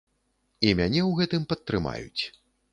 І мяне ў гэтым падтрымаюць.